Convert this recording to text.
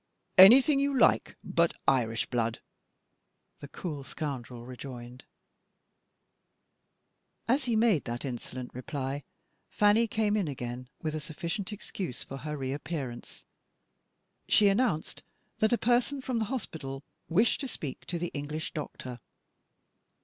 "Anything you like but Irish blood," the cool scoundrel rejoined. As he made that insolent reply, Fanny came in again, with a sufficient excuse for her reappearance. She announced that a person from the hospital wished to speak to the English doctor.